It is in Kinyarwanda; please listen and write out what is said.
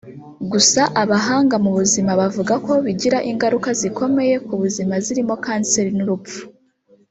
Gusa abahanga mu buzima bavuga ko bigira ingaruka zikomeye ku buzima zirimo kanseri n’urupfu